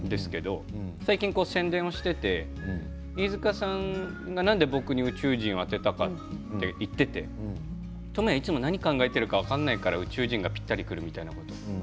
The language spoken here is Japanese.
最近、宣伝をしていて飯塚さんがなんで僕に宇宙人を当てたか言っていて倫也はいつでも何を考えているか分からないから宇宙人がぴったりくるって。